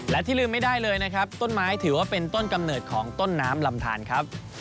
และที่ลืมไม่ได้เลยนะครับต้นไม้ถือว่าเป็นต้นกำเนิดของต้นน้ำลำทานครับ